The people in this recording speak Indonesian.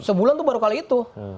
sebulan itu baru kali itu